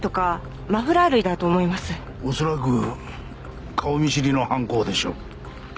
恐らく顔見知りの犯行でしょう。